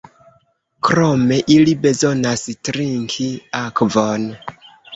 Krome ili bezonas trinki akvon.